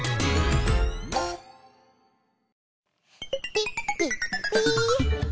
ピッピッピ！